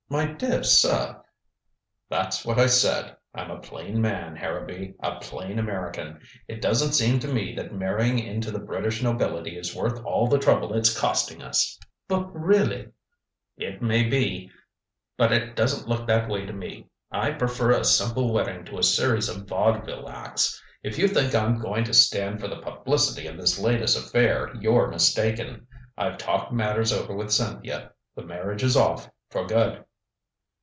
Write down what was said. "My dear sir " "That's what I said. I'm a plain man, Harrowby. A plain American. It doesn't seem to me that marrying into the British nobility is worth all the trouble it's costing us " "But really " "It may be, but it doesn't look that way to me. I prefer a simple wedding to a series of vaudeville acts. If you think I'm going to stand for the publicity of this latest affair, you're mistaken. I've talked matters over with Cynthia the marriage is off for good!"